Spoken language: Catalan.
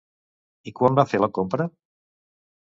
I quan va fer la compra?